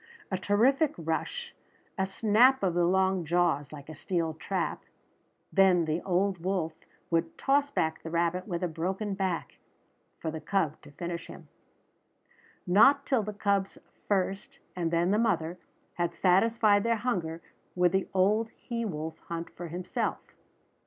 A terrific rush, a snap of the long jaws like a steel trap, then the old wolf would toss back the rabbit with a broken back, for the cub to finish him. Not till the cubs first, and then the mother, had satisfied their hunger would the old he wolf hunt for himself.